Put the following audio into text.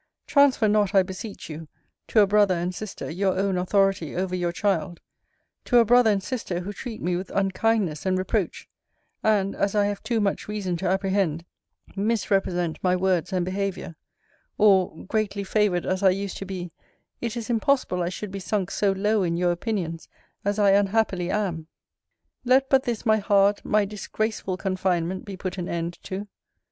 Transfer not, I beseech you, to a brother and sister your own authority over your child to a brother and sister, who treat me with unkindness and reproach; and, as I have too much reason to apprehend, misrepresent my words and behaviour; or, greatly favoured as I used to be, it is impossible I should be sunk so low in your opinions, as I unhappily am! Let but this my hard, my disgraceful confinement be put an end to.